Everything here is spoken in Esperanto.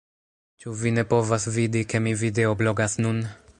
Ĉu vi ne povas vidi, ke mi videoblogas nun